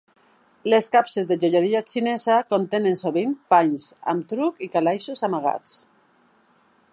Les capses de joieria xinesa contenen sovint panys amb truc i calaixos amagats.